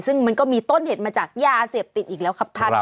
ซึ่งมันก็มีต้นเหตุมาจากยาเสพติดอีกแล้วครับท่าน